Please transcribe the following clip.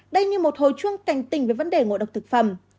đây như một hồi chuông cảnh tình về vấn đề ngộ độc thực phẩm